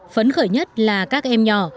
phấn khởi nhất là các em nhỏ